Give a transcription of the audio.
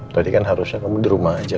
berarti kan harusnya kamu di rumah aja